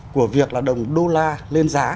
của việc là đồng đô la lên giá